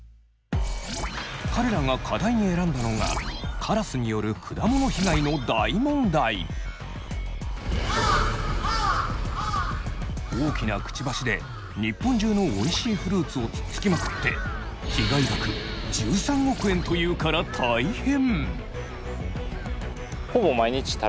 彼らが課題に選んだのがカラスによる大きなくちばしで日本中のおいしいフルーツをつっつきまくって被害額１３億円というから大変！